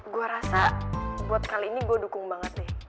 gue rasa buat kali ini gue dukung banget nih